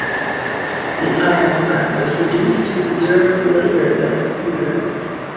The ironclad was reduced to reserve later that year.